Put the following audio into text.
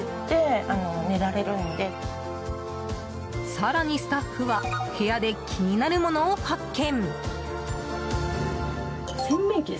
更にスタッフは部屋で気になるものを発見。